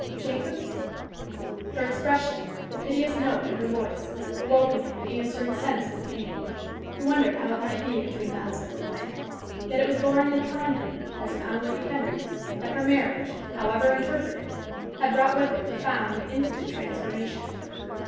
"Jacob?" Her expression, the piteous note in her voice, awoke in him an answering sense of pain. He wondered how it might be between the husband and wife. Yet it was borne in upon him, as upon Lady Henry, that her marriage, however interpreted, had brought with it profound and intimate transformation.